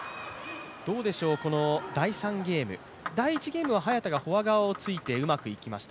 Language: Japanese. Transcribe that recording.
この第３ゲーム、第１ゲームは早田がフォア側を突いてうまくいきました。